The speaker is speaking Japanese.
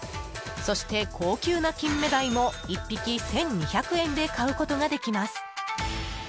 そして、高級なキンメダイも１匹１２００円で買うことができます。